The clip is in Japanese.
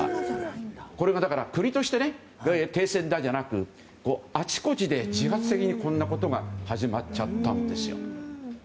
これが国として停戦だというわけじゃなくあちこちで自発的にこんなことが始まっちゃったんですよ。